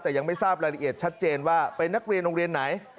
แต่ยังไม่ทราบรายละเอียดชัดเจนว่าเป็นนักเรียนโรงเรียนไหน